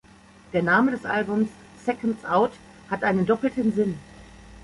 Der Name des Albums "Seconds Out" hat einen doppelten Sinn.